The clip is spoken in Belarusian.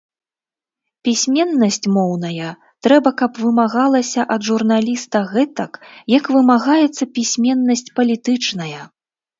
Пісьменнасць моўная трэба каб вымагалася ад журналіста гэтак, як вымагаецца пісьменнасць палітычная.